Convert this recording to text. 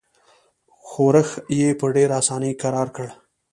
ښورښ یې په ډېره اساني کرار کړ.